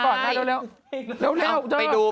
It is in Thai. ไม่ใช่เดี๋ยวไปดู